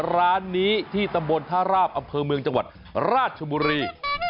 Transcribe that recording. ร้านนี้ที่ตำบลท่าราบอำเภอเมืองจังหวัดราชบุรี